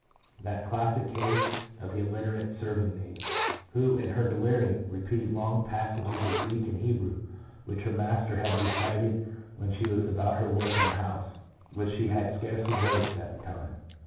that classic case of the illiterate serving maid, who, in her delirium, repeated long passages of Greek and Hebrew, which her master had recited when she was about her work in the house, and which she had scarcely noticed at the time.